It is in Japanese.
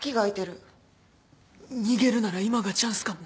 逃げるなら今がチャンスかも。